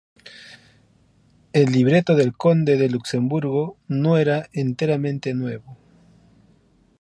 El libreto del "Conde de Luxemburgo" no era enteramente nuevo.